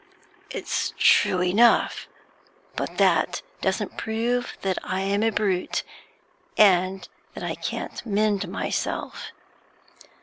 It's true enough, but that doesn't prove that I am a brute, and that I can't mend myself.